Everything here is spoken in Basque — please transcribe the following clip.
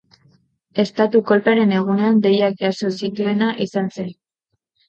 Estatu-kolpearen egunean, deiak jaso zituena izan zen.